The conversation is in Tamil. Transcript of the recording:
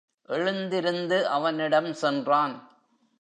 எழுந்திருந்து அவனிடம் சென்றான்.